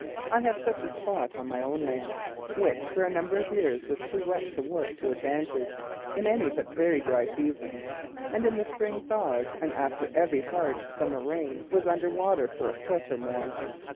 I have such a spot on my own land which for a number of years was too wet to work to advantage in any but very dry seasons, and in the spring thaws and after every hard summer rain was under water for a foot or more.